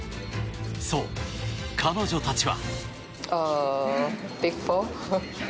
そう、彼女たちは。